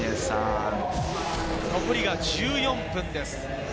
残り１４分です。